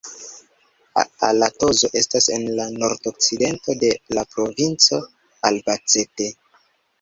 Alatoz estas en la nordokcidento de la provinco Albacete.